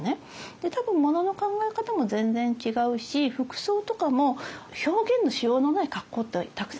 で多分ものの考え方も全然違うし服装とかも表現のしようのない格好ってたくさんあったと思うんです。